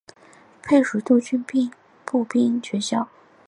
配属陆军步兵学校。